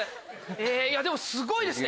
でもすごいですね。